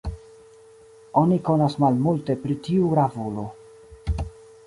Oni konas malmulte pri tiu gravulo.